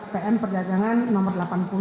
pm perdagangan nomor delapan puluh